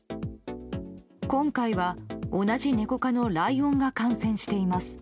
今回は同じネコ科のライオンが感染しています。